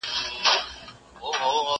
نوموکي راځي لکه